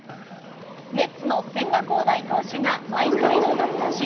メッツの千賀滉大投手が、毎回の奪三振。